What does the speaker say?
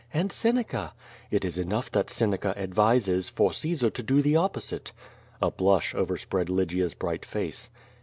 "And Seneca." "It is enough that Seneca advises, for Caesar to do the op posite." A blush overspread Lygia's bright face.